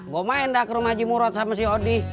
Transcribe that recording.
gue main dah ke rumah haji murad sama si odi